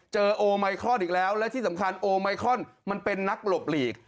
โอไมครอนอีกแล้วและที่สำคัญโอไมคอนมันเป็นนักหลบหลีก